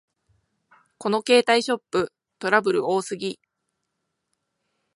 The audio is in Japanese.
この携帯ショップ、トラブル多すぎ